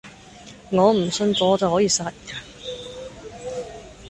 我唔信詛咒可以殺人